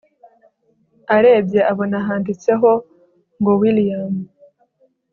arebye abona handitseho ngowilliam